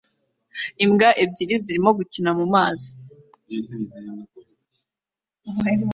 Imbwa ebyiri zirimo gukina mumazi